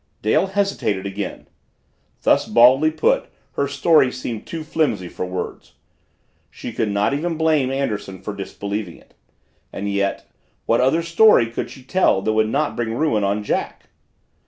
Dale hesitated again. Thus baldly put, her story seemed too flimsy for words; she could not even blame Anderson for disbelieving it. And yet what other story could she tell that would not bring ruin on Jack?